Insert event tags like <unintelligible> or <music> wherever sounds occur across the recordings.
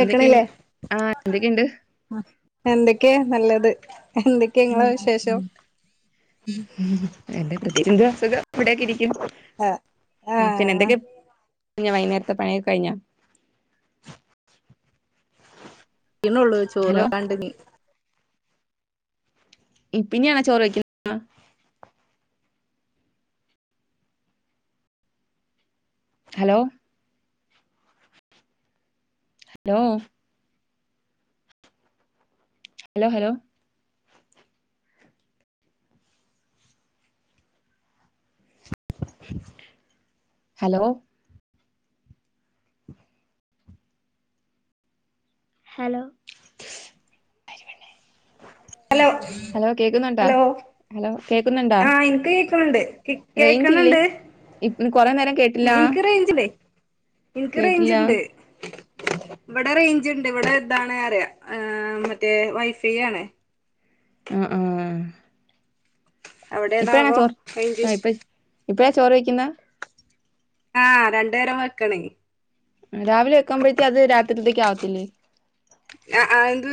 എന്തൊക്കെ ആ എന്തൊക്കെണ്ട് എന്തൊക്കെയാ നല്ലത് എന്തൊക്കെ ഇങ്ങളെ വിശേഷം ഉം എൻ്റെ പ്രത്യേകിച്ച് എന്തുവാ സുഖം ഇവിടെ ഒക്കെ ഇരി ക്കും ആ ഉം പിന്നെ ആഹ് എന്തൊക്കെ പിന്നെ വൈന്നേരത്തെ പണി ഒക്കെ കഴിഞ്ഞ? കയ്യുന്നോള്ളൂ ചോറ് ഹലോ വെക്കാൻ ഇണ്ട് ഇനി. ഇപ്പിനിയാണോ ചോറ് വെക്കുന്നെ hello hello hello hello hello <unintelligible> hello hello കേക്കുന്നുണ്ടാ ഹലോ ഹലോ ആ എനിക്ക് കേക് ഉണ്ട് റെയ്ഞ് ഇല്ലേ കുറെ പ്പ നേരം കെട്ടില്ല ഇണക് റൈഞ് ഇല്ലേ <unintelligible> എനിക്ക് റൈഞ് കേട്ടില്ല ഇണ്ട് ഇവിടെ റൈഞ് ഇണ്ട് ഇവിടെ എന്താണ് പറയാ വൈഫൈ ആണ് ആ ആ ആ ആ ഇപ്പ <unintelligible> ഇപ്പഴാ ചോറ് കഴിക്കുന്നെ ആ രണ്ട് നേരം വെക്കണെ രാവിലെ വെക്കുമ്പോഴേതെ അത് ര തിക് ആവതില്ലേ ആ ആഅത്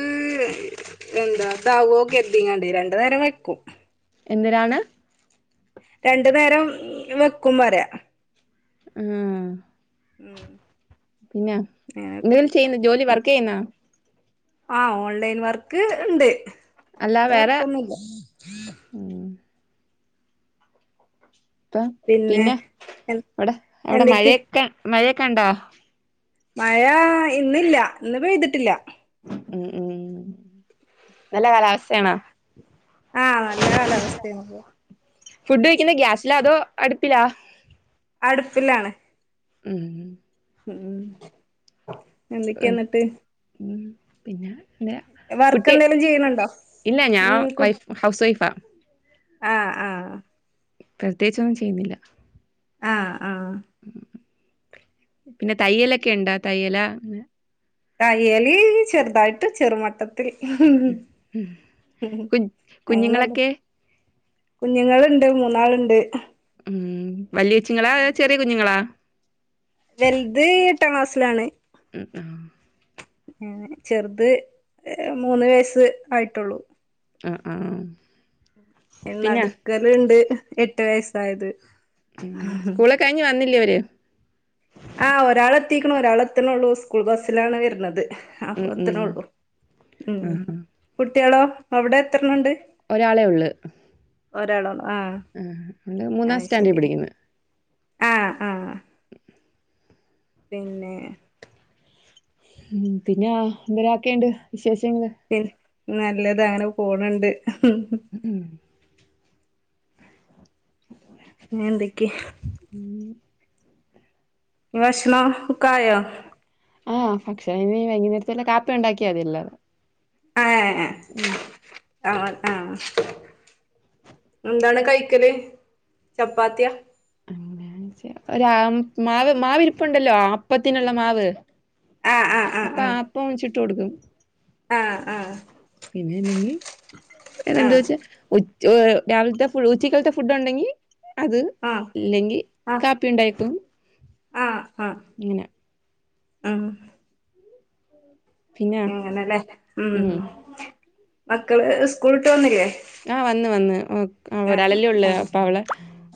എന്തരാണ് രണ്ട് നേരം വെക്കും വരെ ആ ന്നാ അങ്ങനെ ജോലി ചെയ്യുന്ന വർക്ക് ചെയ്യുന്ന ആ ഓൺലൈൻ വർക്ക് ഉണ്ട് അല്ല ഇവിടെ വേറെ വർക്ക് ഒന്നുല്ല ഉം പിന്നെ എൻ അവിടെ അവിടെ എന്തൊക്കെ മഴയൊക്കെ മഴയൊക്കെ കണ്ടോ മഴ ഇന്നില്ല ഇന്ന് പെയ്തിട്ടില്ല ഉം ഉം നല്ല കാലാവസ്ഥ ആണോ ആഹ് നല്ല കാലാവസ്ഥയാണ് ഇപ്പൊ ഫുഡ് വെക്കുന്ന ഗ്യാസ്സില അതോ അടുപ്പിലാ അടുപ്പിലാണ് ഉം ഉം എന്തൊക്കെ ന്നട്ട് <unintelligible> കുട്ടി ചെയ്യണുണ്ടോ ഇല്ല ഞാൻ ഉം കു വൈഫ് ഹൗസ് വൈഫാ ആഹ് ആഹ് പ്രേത്യേകിച്ച് ഒന്നും ചെയ്യുന്നില്ല ആഹ് ആഹ് പിന്നെ തയ്യലോക്കെയുണ്ടാ തയ്യല് തയ്യല് ചെറുതായിട്ട് ചെറുമട്ട ട്ടത്തില് കു കുഞ്ഞുങ്ങളൊക്കെ കുഞ്ഞുങ്ങളുണ്ട് മൂന്നാളുണ്ട് ഉം വലിയ കൊച്ചിങ്ങളാ അതൊ ചെറിയ കുഞ്ഞങ്ങളാ വൽത് എട്ടാം ക്ലാസിലാണ് ഉം ആഹ് ചെറുത് മൂന്ന് വയസ്സ് ആയിട്ടുള്ളൂ ആഹ് പിന്നെ നട്ക്കലുണ്ട് എട്ട് വയസ്സായത് സ്‌കൂളൊക്കെ കയിഞ്ഞ് വന്നില്ലേ തെ ത്തിക്കണു ഒരാള് ത്ത്ണെള്ളൂ സ്കൂൾ ബസ്സിലാണ് വരണത് ഉം ഉം അപ്പത്ത്ണെള്ളൂ ഉം ആഹ് കുട്ട്യാളോ അവിടെ എത്രണ്ണം ഉണ്ട് ഒരാളെ ഉള്ള് ഒരാളോള്ളൂ ആ ആ മൂന്നാം സ്റ്റാൻഡേർഡിൽ ശരി പഠിക്കുന്നു ആ ആ പിന്നേ പിന്നാ എന്താരാക്കെ ഉണ്ട് വിശേഷം ങ്ങ് നല്ലതാണ് പോണുണ്ട് മ്മ്ഹ് ഹ് ന്ന് എന്തൊക്കെയാ ഭക്ഷണം കുക്കായോ ആഹ ഭക്ഷണം ഇനി വൈകുന്നേരത്തിലുള്ള കാപ്പി ഉണ്ടാക്കിയ മതിയല്ലോ ആഹ ആ ആ ആഹ എന്താണ് കഴിക്കല് ചപ്പാത്തിയ ഒരാ ആം മാവ് മാവിരിപ്പണ്ടല്ലോ അപ്പത്തിനുള്ള മാവ് ആഹ് അപ്പോ ആഹ് അപ്പംച്ചു കൊടുക്കും ആഹ് ആഹ് പിന്നെ അല്ലെങ്കിൽ പിന്നെ എന്താ ആഹ് വെച്ചാ ചോ രാവിലത്തെ ഫുള്ളും ഉച്ചയ്ക്കത്തെ ഫുഡ് ഉണ്ടെങ്കിൽ. അത് ആഹ് ഇല്ലെങ്കിൽ ആഹ് ആഹ് കാപ്പി ഉണ്ടാക്കും. ആഹ് ആഹ് അങ്ങനെ ആഹ് പിന്നെ അങ്ങനെയല്ലേ ഉം മക്കള് സ്കൂൾ വിട്ടു വന്നില്ലേ. ആഹ് വന്നു വന്നു ഒ ആഹ് ഒരാളല്ലേ ഉള്ളൂ അപ്പോ അവള്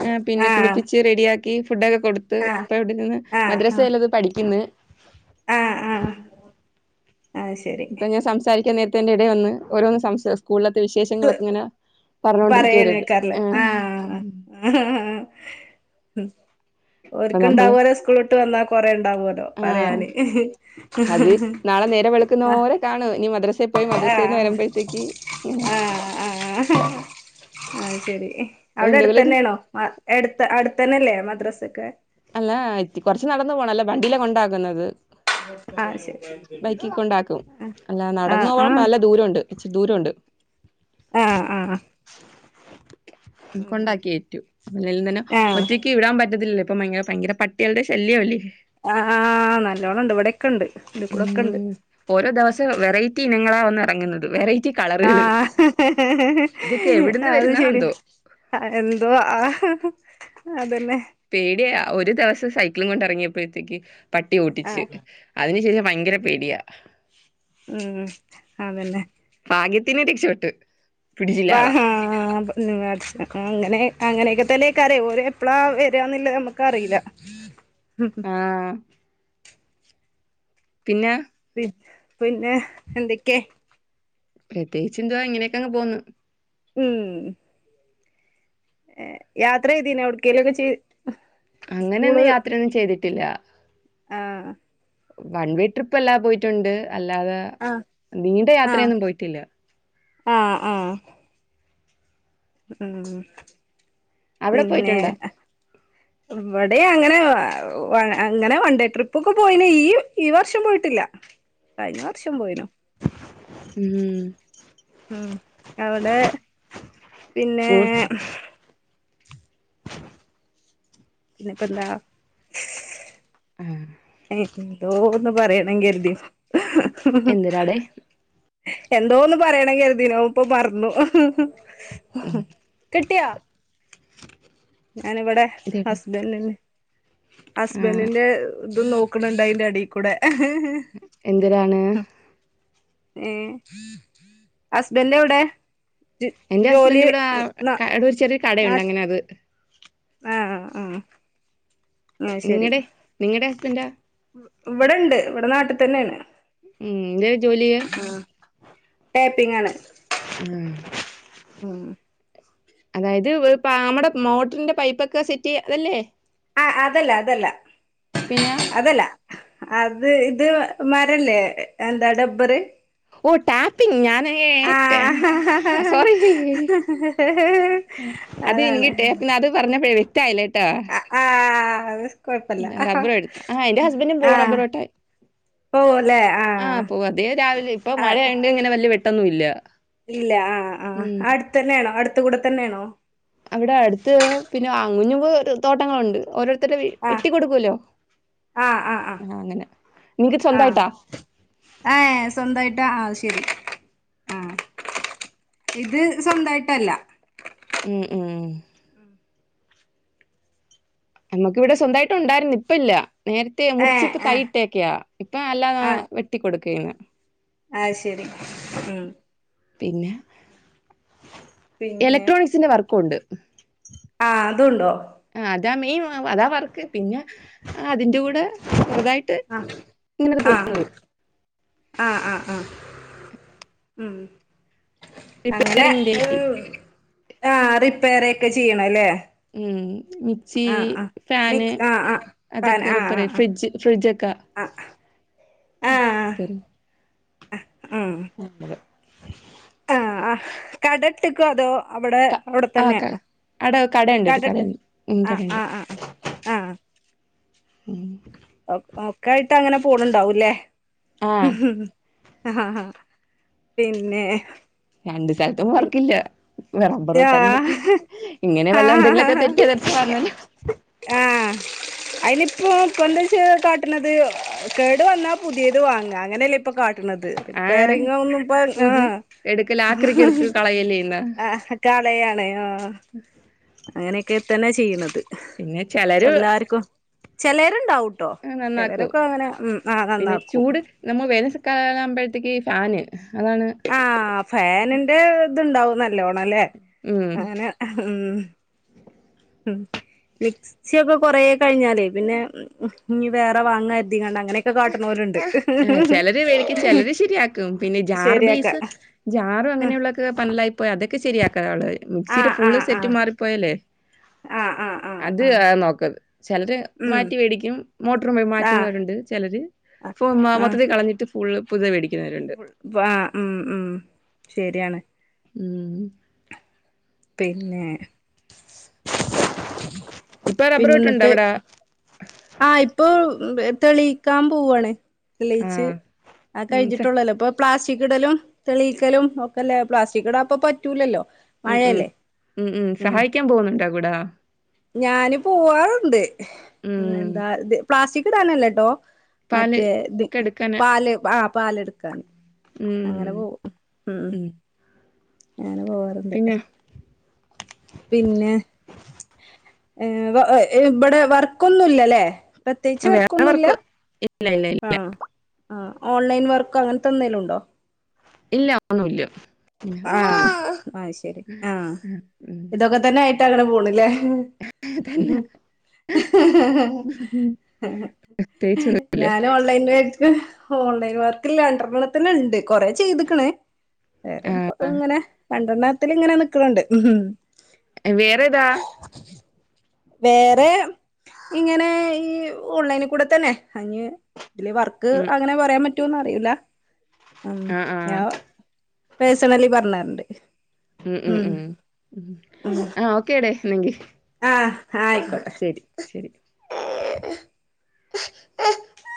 മ്മ് പിന്നെ ആഹ് കുളിപ്പിച്ച് റെഡിയാ ക്കി ഫുഡ് ഒക്കെ കൊടുത്ത് ആഹ് ഇപ്പൊ ഇവിടെ ഇരുന്ന് ആഹ് മദ്രസെൽ ആഹ് ഉള്ളത് പഠിക്കുന്നു. ആഹ് ആഹ് അത് ശരി ഇപ്പോൾ ഞാൻ സംസാരിക്കാൻ നേ തിന് ഇടയിൽ വന്ന് ഓരോന്ന് സംസാരി സ്കൂളിലത്തെ വിശേഷങ്ങൾ ഒക്കെ ഇങ്ങനെ പറഞ്ഞുകൊണ്ടിരിക്കുകയായിരുന്നു പറയാനേക്കാറില്ലേ ആഹ് ഉം. മ്മ് <unintelligible> ഓരെക്ക് ഉണ്ടാവുമല്ലോ സ്കൂള് വന്നാൽ. കൊറേ ഉണ്ടാവോലോ ആഹ് പറയാന് അത് നാളെ നേരം ആഹ് വെളുക്കുവോരം കാണും ഇനി മനു ത്തെ പോയി മദ്രസയിന് ആഹ് വരുമ്പോഴത്തേക്ക് ഞ ആഹ് ആഹ് അത് ശരി അപ്പൊ അവിടെ അടുത്ത് എന്തെങ്കിലും ഒരു തന്നെയാണോ മ യെടുത്ത അടു തന്നെയല്ലേ മദ്രസയൊക്കെ. അല്ല ഇത്തി കുറച്ചു നടന്ന് പോണം വണ്ടിയിലെ കൊണ്ട് ആക്കുന്നത്. ആഹ് ശരി ബൈക്കിൽ കൊണ്ടാക്കും അല്ലാതെ നടന്നു ആഹ് പോകാൻ ആഹ് നല്ല ദൂരമുണ്ട്. ഇച്ചി ദൂരമുണ്ട്. ആഹ് ആഹ് ഉം കൊണ്ടാക്കിയിട്ടോ അല്ലേലും തന്നെ ആഹ് ഒറ്റയ്ക്ക് വിടാൻ പറ്റത്തില്ലല്ലോ. ഇപ്പൊ ഭയങ്കര ഭയങ്കര പട്ടികളുടെ ശല്യമല്ലേ. ആഹ് നല്ലോണം ഉണ്ട് ഇവിടെ. ക്കെയുണ്ട് ഇവിടൊക്കെയുണ്ട്. റ്റി നിങ്ങളാ വന്ന ഇറങ്ങുന്നത് വെറൈ ആഹ് ഇതൊക്കെ എവിടുന്ന് അത് ശരി വരുന്നതാന്തോ എന്തോ ആ. അതു തന്നെ പേടിയാ ഒരു ദിവസം സൈക്കിൾ കൊണ്ട് ഇറങ്ങിയപ്പൊത്തേക്ക് പട്ടി ആഹ് ഓട്ടിച്ച് അതിനു ശേഷം ഭയങ്കര പേടിയ മ് അതെന്നെ ഭാഗ്യതിന് രക്ഷപ്പെട്ട് പിടിച്ചില്ല ആ ആളെ ആ <unintelligible> അങ്ങനെ അങ്ങനെതന്നെ അയ്ക്കാരം ഓർ എപ്പളാ വരാന്ന്ള്ളത് നമ്മക്ക് അറീല മ് ആഹ് പിന്നെ പിന്നെ എന്തൊക്കെ പ്രതേകിച്ച് എന്തുവാ ഇങ്ങനെക്കങ്ങ് പോകുന്നു മ് യാത്ര ചെയ്ദീഞ്ഞ ഓട്കെങ്കിലും ചെ അങ്ങനെ ഒന്നും യാത്ര ഒന്നും ചെയ്തിട്ടില്ല ആ കൺവീട്ടർ ഇപ്പൊ പോയിട്ടുണ്ട് അല്ലാതെ ആഹ് നീണ്ട യാത്ര ആഹ് ഒന്നും പോയിട്ടില്ല മ് അവിടെ പിന്നെ പോയിട്ടുണ്ടോ ഇവിടെ അങ്ങനെ അങ്ങനെ വൺഡേ ട്രിപ്പ്‌ ഒക്കെ പോയീണ് ഈ വർഷം പോയിട്ടില്ല കഴിഞ്ഞ വർഷം പോയീന്നു മ് മ് അവിടെ പിന്നെ സ്കൂൾ പിന്നെപെന്താ മ് എന്തോന്ന് പറയണം കരുതീ എന്തിരാടെ എന്തോന്ന് പറയണംന്ന് കർദീനു പ്പോ മറന്നു ഉം കിട്ടിയോ ഞാനിവിടെ ഇതെവിടാ ഹസ്ബൻഡിന് ആഹ് ഹസ്ബൻഡിന്റെ ഇതും നോക്ക്ണ്ണ്ട് അയിന്റ എടീകൂടെ എന്തിരാണ് എ ഹസ്ബൻഡ് എവിടെ എന്റെ ഹസ്ബൻഡ് ജോലി ഇവിടെ ന കട ഇവിടെ ചെറിയ ഒരു കട ഉണ്ട് അങ്ങനെ അതു ആഹ് ആഹ് ആഹ് നിങ്ങടെ നിങ്ങടെ സ്ബന്റാ ഇവിടെണ്ട് ഇവിടെ നാട്ടിതന്നേണ്. ഉം എന്താ ജോലി? ടാപ്പിങ്ങാണ് ഉം അതായത് ഇവ പാമട മോട്ടറിന്റെ പൈപ്പൊക്കെ സെറ്റ്ചെയ് അതെല്ലേ അ അതല്ല അതല്ല പിന്നെ അതല്ല അത് ഇത് മരവില്ലേ ടബ്ബറ്. ഓ ടാപ്പിംഗ് ഞാൻ ഏഹ് ടെ സോറി അത് അതാണ് ഇങ്ങിട്ടെ പിന്നത് പറഞ്ഞപ്പഴേ ലായില്ലാട്ടൊ അതെ റബ്ബർ എടുത്താ അഹ് എന്റ് ഹസ്ബന്റും ആ പോവും റബ്ബർ വെട്ടാൻ. പോവുല്ലേ ആ അഹ് പോവും അദ്ദേഹം രാവിലെ ഇപ്പ ആ മഴ ആയതോണ്ട് ഇങ്ങനെ വല്ല്യ വെ ട്ടെന്നും ഇല്ല. ഇല്ല അഹ് അഹ് ഉം അടുത്തന്നേണോ അടു ത്ത് കൂടെ തന്നേണോ അവിടെ അടുത്ത് പിന്നെ അങ്ങും ഇങ്ങും ഓരോ തോട്ടങ്ങളുണ്ട് ഓരോ- ആ വെട്ടികൊടുക്കൂലോ ആ അങ്ങനെ നിങ്ങക് ആ സ്വന്തയിട്ട രി അ ഇത് സ്വന്തയിട്ടല്ല മ് മ് നമ്മുക്ക് ഇവിടെ സ്വന്തയിട്ട് ഉണ്ടായിരുന്നു ഇപ്പല്ല നേരത്തെ ഏ മുറിച് ഇപ്പ ആ തൈ ഇട്ടേക്ക ഇപ്പല്ലേതെ ആ വെട്ടിക്കോടുക്യാണ് ആഹ് ശരി ഉം പിന്നെ ഇലഡ്രോണിക്സിന്റെ വർക്കും ഉണ്ട് ആ അതുണ്ടോ അ അതാ മെയിൻ വ അതാ വർക് പിന്നെ അതിന്റെ കൂടെ ചെറുതായിട്ട് ആഹ് ഇങ്ങനെ പോവുന്നത് അ അ അ ഉം പകലാ റിപ്പയറിങ്ങിന്റെ ആ റിപ്പായർ ഒക്കെ ചെയ്നാല്ലേ മ് മിക്സി ഫാൻ മിക്സ് ആഹ് ആഹ് പാൻ അതൊക്കെ ആഹ് റിപ്പായർ ചെയ്യും ആഹ് ഫ്രജ് ഫ്രിജ് ഒക്കെ ആഹ് അ <unintelligible> <inaudible> ആ കടേതികുവോ അതോ അവിടെ ക അവിടെ ആ തന്നെ ക ആണോ അടെ കടയുണ്ട് ഒരു കടയുണ്ട് ഉം ആ കടയുണ്ട് ആ ഉം ഓ ഓക്കേ മഴകാലത്തങ്ങനെ പോന്നുണ്ടവുല്ല ആ ഉഹും പിന്നെ രണ്ട് സ്ഥലത്തും പി വർക്കില്ല റബറു താനത്തുല്ലാ ഇങ്ങനെ ആഹ് വെല്ലോം എന്തെങ്കിലും ഓക്കെ <unintelligible> അതിനിപ്പോ എന്താ ച്ചെ കാട്ടുന്നത് കേടു വന്ന പുതിയത് വങ്ങുകാ അങ്ങനയാല്ലേ കാട്ടാനത് കട്ടന്നത് ആ റിപ്പേറിങ്ങും ഒന്നുംഇപ്പ പൂജ എടുക്കല് ആക്രിക്ക് എടുക്ക് കളയല് ആ പ്ലേയ് ആണ് ആ മൂ അങ്ങനെക്കെ തന്നെ ചെയ്യുന്നത് പിന്നെ ചെലരു ചെലരുണ്ടാവും ഉം നന്നാക്കും പിന്നെ നന്നാക്കും ചൂട് നമ്മ <unintelligible> കാലാകുമ്പഴ് ത്തെ ക്കീ ഫാന് അതാണ് ആ ഫേനിന്റ ത് ഇണ്ടാകും നൽ ല്ലോണം ലെ ഉം അങ്ങനെ ഊം ഉം മിക്സിയൊക്കെ കുറെ കഴിഞ്ഞാലേ പിന്നെ ഇഞ് വേറെ വാങ്ങാ കര്തിക്കാണ്ട് അങ്ങനെക്കെ കാട്ട്ണോല് ആ ചെലരു വേടിക്കും ചെലരു ശെരിയാകും പിന്നെ ജാറ് ശരിയാക്കാ ബെയ്‌സ് ജാറ് ഉം അങ്ങനെയുള്ളതാക്കെ പന്നലായിപോയ അതൊക്കെ ശെരിയാകാൻ ആള് വരും മിക്സിടെ ആഹ് ഫുള്ള് ആഹ് സെറ്റും ആഹ് മാറിപ്പോയാൽ ലെ ആഹ് ആഹ് ആഹ് അത് ആഹ് നോക്കത് ചെലരു ഉം മാറ്റി വേടിക്കും മോട്ടർ ആഹ് മാറ്റുന്നൊരു ഉണ്ട് ചെലരു ഇപ്പം മൊത്തത്തി കളഞ്ഞിട്ട് ഫുൾ പുതിയത് വെടി വാ ഉം ഉം ശെരിയാണ് ഊം പിന്നെ ഇപ്പൊ റബറ് വെട്ട്ണ്ടൊ ഇവിടെ ആ ഇപ്പോ പോ തെളിയിക്കാൻ പോവാണ് തെളിയിച്ച് ആഹ്. അത് ഉം സ കഴിഞ്ഞിട്ടുള്ളതല്ലേ പ്പം പ്ലാസ്റ്റിക്കിടലും തെളിയിക്കലും ഒക്കെല്ലേ പ്ലാസ്റ്റിക് ഇടാൻ ഇപ്പ പറ്റുല്ലല്ലോ ഉം ഉം ഉം ഉം സഹായിക്കാൻ പോകുന്നുണ്ടോ കൂടാ ഞാന് പോവാറുണ്ട് ഉം. ഉംഎന്താ പ്ലാസ്റ്റിക് ഇടാനല്ലട്ടോ പാല് മറ്റേ ത് ഒക്കെ എടുക്കാന്. പാല് ആ പാൽ എടുക്കാൻ ഊം ഉം ഞാന് പോവാറുണ്ട് പിന്നെ പിന്നെ ഏ ഇവിടെ വർക്ക് ഒന്നൂല്ല ലേ പ്രത്യേകിച്ച് വർക്ക് ഒന്നുല്ല ഇല്ല ഇല്ല ഇല്ല. ആ ആ ഓൺലൈൻ വർക്ക് അങ്ങൻത്ത എന്തേലും ഉണ്ടോ ഇല്ല ഒന്നുല്ല ഇങ്ങനെ ഇട്ടിരിക്കുന്നു ആഹ് അഅ് ശരി ആഹ് ഉം ഇതൊക്കെ തന്നെ ട്ടങ്ങനെ പോണ്ല്ലേ അതല്ല ഉം ഉം പ്രത്യേകിച്ചൊന്നുമില്ല ഞാനും ഓൺലൈൻല് ഓൺലൈൻ വർക്ക് ലണ്ട്രണ്ണത്തിന് ഇണ്ട് കൊറെ ചെയ്ത്ക്ക്ണ്. വെറ്യേം എങ്ങനെ രണ്ടെണ്ണത്തില് ഇങ്ങനെ നിക്ക്ണ് ണ്ട് വേറേതാ വേറെ ഇങ്ങനെ ഈ ഓൺലൈന്ക്കൂടെ തന്നെ അയ്ന് ഇതിലെ വർക്ക് ഉം അങ്ങനെ പറയാൻ പ റ്റോഅറിയില്ല ആ ആ ഉംഞാ പേഴ്സണലി പറഞ്ഞര്ണ്ട് ഉം ഉം ഉം ഉം ആ ഓക്കേടേ ന്നെങ്കി ആഹ് ആഹ് ആയിക്കോട്ടെ. ശരി